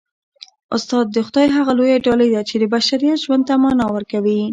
استاد د خدای هغه لویه ډالۍ ده چي د بشریت ژوند ته مانا ورکوي.